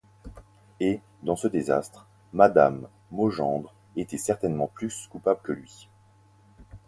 Et, dans ce désastre, Madame Maugendre était certainement plus coupable que lui.